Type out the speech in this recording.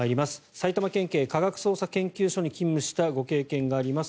埼玉県警科学捜査研究所に勤務したご経験があります